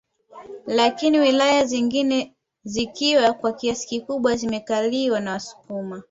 Lakini wilaya zingine zikiwa kwa kiasi kikubwa zimekaliwa na wasukuma